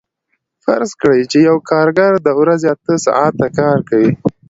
فرض کړئ چې یو کارګر د ورځې اته ساعته کار کوي